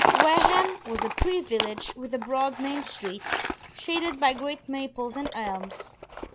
Wareham was a pretty village with a broad main street shaded by great maples and elms.